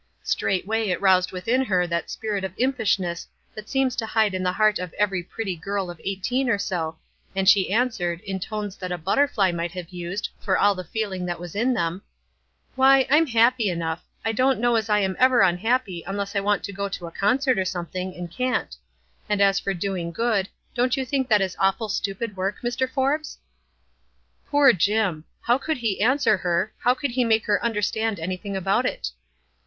Straightway it roused within her that spirit of impishness that seems to hide in the heart of every pretty girl of eighteen or so, and she answered, in tones that a butterfly might have used, for all the feeling that was in them,— "Why, I'm happy enough. I don't know as I am ever unhappy unless I want to go to a con cert or something, and can't ; and as for doing a <fod, don't you think that is awful stupid work, Mr. Forbes?" WISE AND OTHERWISE. 99 Poor Jim ! How could he answer her, how make her understand anything about it?